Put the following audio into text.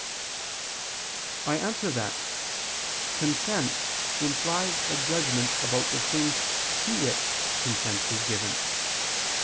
I answer that, Consent implies a judgment about the thing to which consent is given.